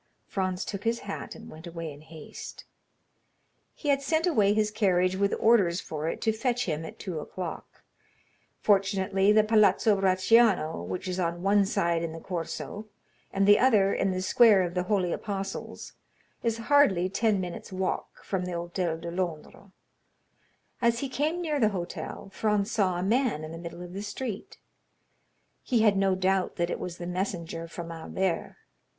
Franz took his hat and went away in haste. He had sent away his carriage with orders for it to fetch him at two o'clock; fortunately the Palazzo Bracciano, which is on one side in the Corso, and on the other in the Square of the Holy Apostles, is hardly ten minutes' walk from the Hôtel de Londres. As he came near the hotel, Franz saw a man in the middle of the street. He had no doubt that it was the messenger from Albert.